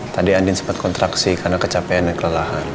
tadi andin sempat kontraksi karena kecapean dan kelelahan